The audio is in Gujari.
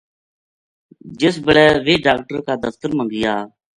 جس بِلے ویہ ڈاکٹر کا دفتر ما گیا